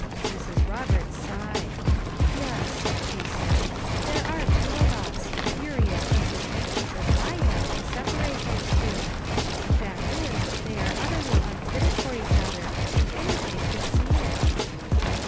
Mrs. Roberts sighed. "Yes," she said, " there are two of us; Eurie is just as anxious as I am to separate those two ; the fact is that they are utterly unfitted for each other, and anybody can see it."